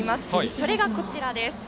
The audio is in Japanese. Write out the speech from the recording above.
それが、こちらです。